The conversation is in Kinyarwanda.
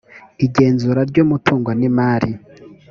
igenzura ry umutungo n imari